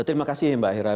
terima kasih mbak herai